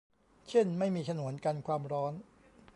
เช่นไม่มีฉนวนกันความร้อน